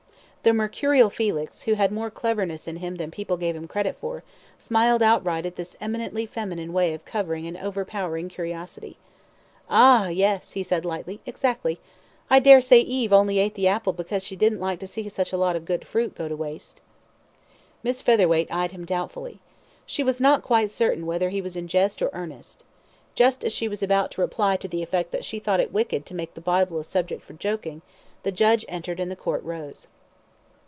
The mercurial Felix, who had more cleverness in him than people gave him credit for, smiled outright at this eminently feminine way of covering an overpowering curiosity. "Ah, yes," he said lightly; "exactly. I daresay Eve only ate the apple because she didn't like to see such a lot of good fruit go to waste." Miss Featherweight eyed him doubtfully. She was not quite certain whether he was in jest or earnest. Just as she was about to reply to the effect that she thought it wicked to make the Bible a subject for joking, the Judge entered and the Court rose.